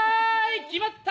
決まった！